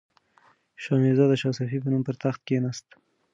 سام میرزا د شاه صفي په نوم پر تخت کښېناست.